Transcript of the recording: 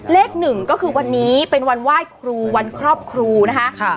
เลขหนึ่งก็คือวันนี้เป็นวันไหว้ครูวันครอบครูนะคะ